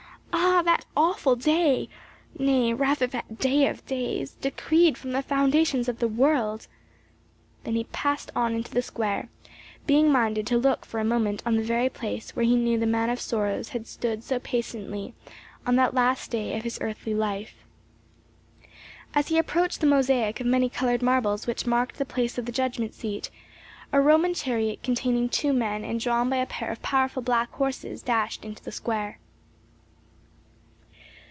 Ah, that awful day nay rather that day of days, decreed from the foundations of the world!" Then he passed on into the square, being minded to look for a moment on the very place where he knew the Man of Sorrows had stood so patiently on that last day of his earthly life. As he approached the mosaic of many colored marbles which marked the place of the judgment seat, a Roman chariot containing two men and drawn by a pair of powerful black horses dashed into the square.